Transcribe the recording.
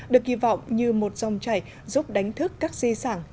được kỳ vọng như một dòng chảy giúp đánh thức các di sản